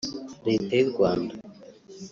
Leta y’u Rwanda